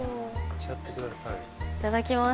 いただきます。